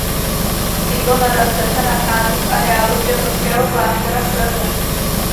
Sídlo nadace se nachází v areálu Břevnovského kláštera v Praze.